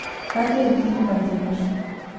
Catro de cinco partidos.